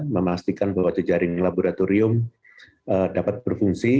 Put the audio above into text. memastikan bahwa jejaring laboratorium dapat berfungsi